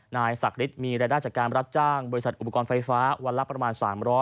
นายศักดิ์ฤทธิ์มีรายได้จากการรับจ้างบริษัทอุปกรณ์ไฟฟ้าวันละประมาณ๓๐๐